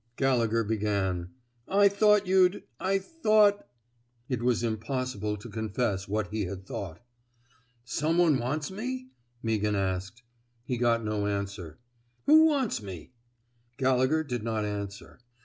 Gallegher began: ''I thought you'd — I thought —" It was impossible to confess what he had thought. *' Some one wants me? " Meaghan asked. He got no answer. Who wants me? " Gallegher did not answer.